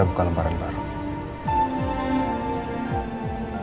yang teraneh tempat tunggal bangun